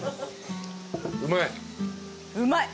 うまい？